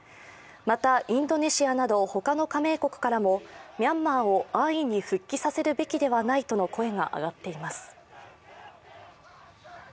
また、インドネシアなど他の加盟国からもミャンマーを安易に復帰させるべきではないとの声が上がっています。